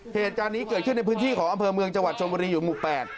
เหตุการณ์นี้เกิดขึ้นในพื้นที่ของอำเภอเมืองจังหวัดชนบุรีอยู่หมู่๘